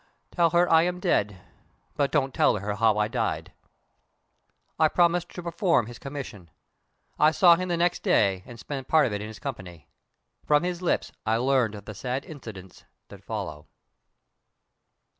Tell her I am dead but don't tell her how I died." I promised to perform his commission. I saw him the next day, and spent part of it in his company. From his lips I learned the sad incidents that follow.